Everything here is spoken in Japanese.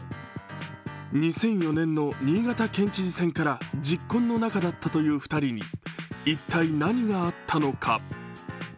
２００４年の新潟県知事選からじっこんの中だったという２人に一体、何があったのか。